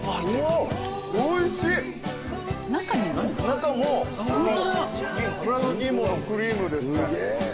中も紫芋のクリームですね。